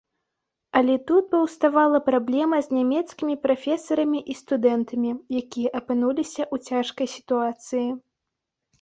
Але тут паўставала праблема з нямецкімі прафесарамі і студэнтамі, якія апынуліся ў цяжкай сітуацыі.